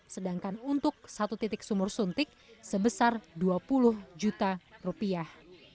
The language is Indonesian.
sedangkan untuk satu titik sumur suntik sebesar dua puluh juta rupiah